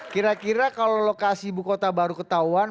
kira kira kalau lokasi ibu kota baru ketahuan